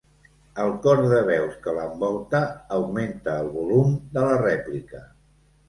El cor de veus que l'envolta augmenta el volum de la rèplica.